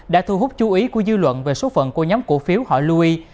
đã thu hút chú ý của dư luận về số phận của nhóm cổ phiếu họ loui